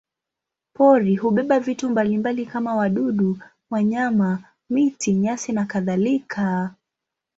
Pori hubeba vitu mbalimbali kama wadudu, wanyama, miti, nyasi nakadhalika.